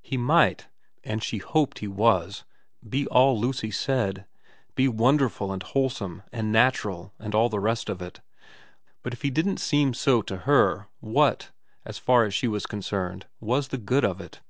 He might, and she hoped he was, be all Lucy said, be wonderful and wholesome and natural and all the rest of it, but if he didn't seem so to her what, as far as she was concerned, was the good of it